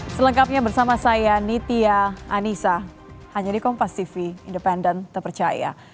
selengkapnya bersama saya nitia anissa hanya di kompas tv independen terpercaya